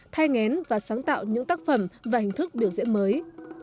thay ngén và sáng tạo những tác phẩm và hình thức biểu diễn mới